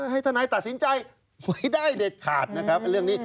ให้ทนายตัดสินใจได้เด็ดขาดนะครับเรื่องนี้